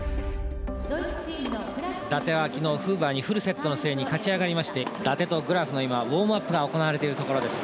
伊達は昨日フーバーにフルセットの末に勝ち上がりまして伊達とグラフの今ウォームアップが行われているところです。